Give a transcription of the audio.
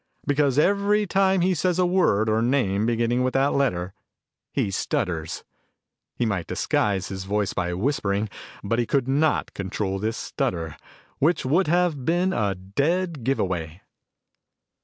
Because every time he says a word or name beginning with that letter, he stutters. He might disguise his voice by whispering, but he could not control this stutter, which would have been a dead give away."